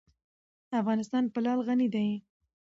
افغانستان په لعل غني دی.